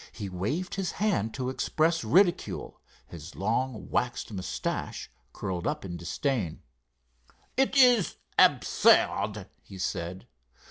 He waved his hand to express ridicule. His long, waxed mustache curled up in disdain. "It is absurd," he said.